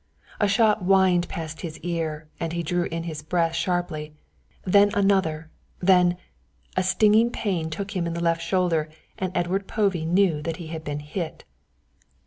A shot whined past his ear and he drew in his breath sharply, then another, then a stinging pain took him in the left shoulder and Edward Povey knew that he had been hit.